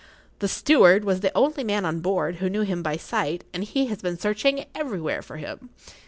The steward was the only man on board who knew him by sight, and he has been searching everywhere for him.